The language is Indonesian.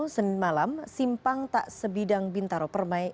senin malam simpang tak sebidang bintaro permai